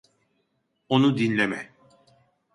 Onu dinleme.